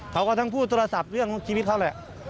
เขาก็ทั้งพูดโทรศัพท์เรื่องชีวิตเขาแหละ